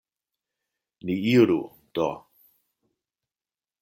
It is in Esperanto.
Ni iru, do.